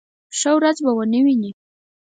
ښه ورځ به و نه وي.